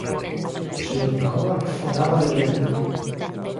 Creo que o señor Dacova falaba de débeda.